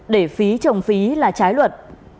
để phí trồng phí là trái luật